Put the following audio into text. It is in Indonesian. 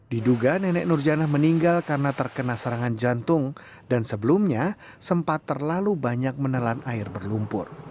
diduga nenek nur janah meninggal karena terkena serangan jantung dan sebelumnya sempat terlalu banyak menelan air berlumpur